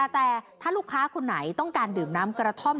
แต่ถ้าลูกค้าคนไหนต้องการดื่มน้ำกระท่อม